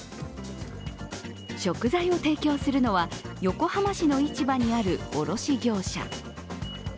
食材を提供するのは、横浜市の市場にある卸業者。